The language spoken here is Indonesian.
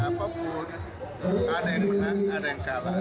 apapun ada yang menang ada yang kalah